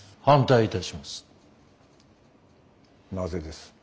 反対いたします。